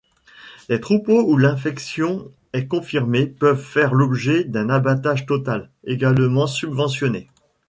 Les troupeaux où l'infection est confirmée peuvent faire l'objet d'un abattage total, également subventionné.